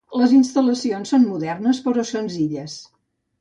Les instal·lacions són modernes però senzilles.